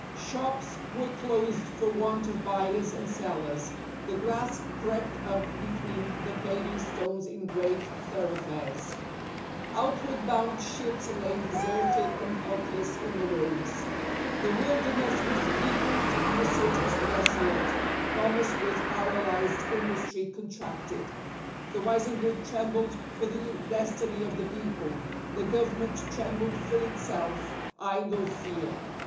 Shops were closed for want of buyers and sellers; the grass crept up between the paving stones in great thoroughfares; outward bound ships lay deserted and helpless in the roads; the wilderness was peopled and the cities desolate; commerce was paralyzed, industry contracted. The wise and good trembled for the destiny of the people, the government trembled for itself idle fear.